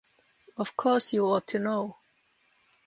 Of course, you ought to know.